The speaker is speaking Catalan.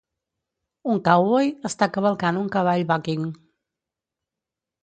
Un cowboy està cavalcant un cavall bucking.